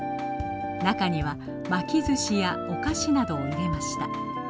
中には巻きずしやお菓子などを入れました。